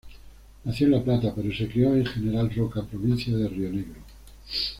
Nació en La Plata pero se crio en General Roca, provincia de Río Negro.